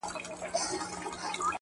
• ورته وگورې په مــــــيـــنـــه.